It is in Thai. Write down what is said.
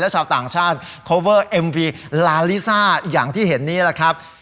แล้วชาวต่างชาติเอ็มพีลาลิซ่าอย่างที่เห็นนี้ล่ะครับ